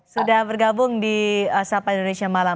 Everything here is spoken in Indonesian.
sudah bergabung di sapa indonesia malam